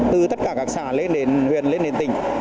từ tất cả các xã lên đến huyện lên đến tỉnh